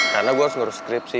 karena gue harus ngurus skripsi